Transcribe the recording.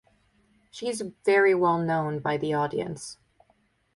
She is very well known by the audience.